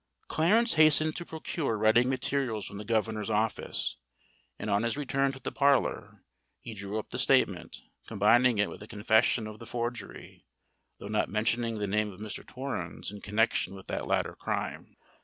Clarence hastened to procure writing materials from the governor's office; and, on his return to the parlour, he drew up the statement, combining it with a confession of the forgery, though not mentioning the name of Mr. Torrens in connexion with that latter crime.